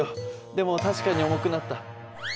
でも確かに重くなった。